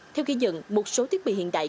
theo ghi nhận một số thiết bị hiện đại